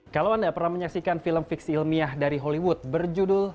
kalau anda pernah menyaksikan film fiksi ilmiah dari hollywood berjudul